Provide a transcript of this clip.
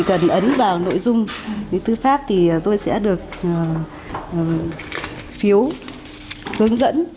cần ấn vào nội dung tư pháp thì tôi sẽ được phiếu hướng dẫn